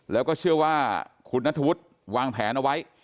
แล้วก็เชื่อว่าคุณนัทธวุฒิวางแผนเอาไว้